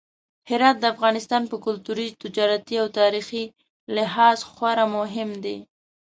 هرات د افغانستان په کلتوري، تجارتي او تاریخي لحاظ خورا مهم دی.